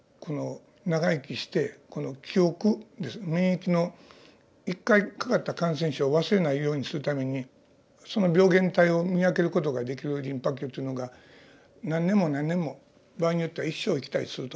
長生きして記憶免疫の一回かかった感染症を忘れないようにするためにその病原体を見分ける事ができるリンパ球というのが何年も何年も場合によっては一生生きたりすると。